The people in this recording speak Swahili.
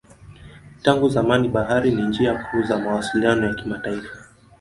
Tangu zamani bahari ni njia kuu za mawasiliano ya kimataifa.